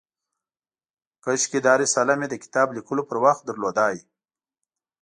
کاشکي دا رساله مې د کتاب لیکلو پر وخت درلودای.